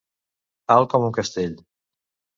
Alt com un castell.